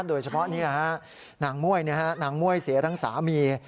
โดยเฉพาะนางม่วยนางม่วยเสียทั้งสามี